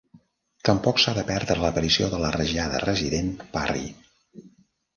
Tampoc s'ha de perdre l'aparició de la rajada resident Parrie.